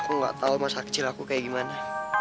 aku gak tau masa kecil aku kayak gimana